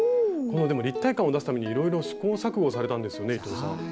このでも立体感を出すためにいろいろ試行錯誤されたんですよね伊藤さん。